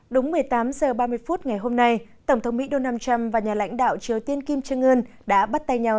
đúng một mươi tám h ba mươi phút ngày hôm nay tổng thống mỹ donald trump và nhà lãnh đạo triều tiên kim trương ươn đã bắt tay nhau